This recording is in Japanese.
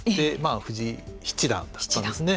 藤井七段だったんですね。